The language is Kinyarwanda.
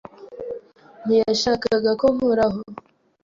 ntiyashakaga ko nkoraho.